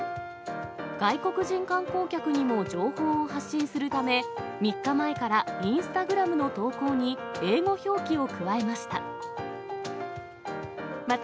外国人観光客にも情報を発信するため、３日前からインスタグラムの投稿に英語表記を加えました。